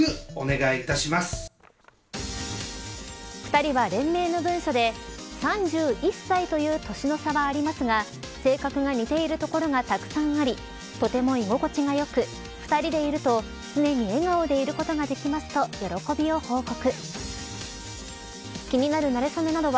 ２人は連名の文書で３１歳という年の差はありますが性格が似ているところがたくさんありとても居心地がよく２人でいると常に笑顔でいることができますと喜びを報告。